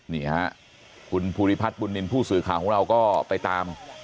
นี่ฮะคุณภูริพัฒน์บุญนินทร์ผู้สื่อข่าวของเราก็ไปตาม